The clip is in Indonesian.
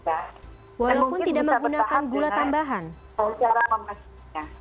dan mungkin bisa bertahap dengan cara memasaknya